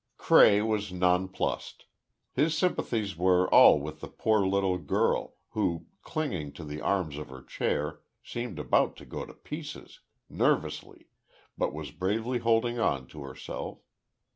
Cray was nonplused. His sympathies were all with the poor little girl, who, clinging to the arms of her chair, seemed about to go to pieces, nervously, but was bravely holding on to herself.